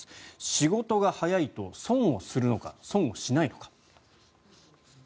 仕事が早いと損をするのか損をしないのか。